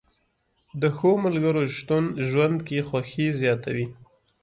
د ښو ملګرو شتون ژوند کې خوښي زیاتوي